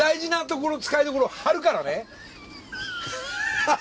ハハハ！